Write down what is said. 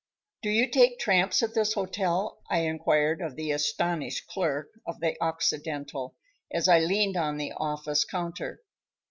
"Do you take tramps at this hotel?" I inquired of the astonished clerk of the Occidental, as I leaned on the office counter.